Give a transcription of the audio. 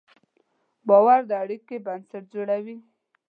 باور د اړیکې بنسټ جوړوي.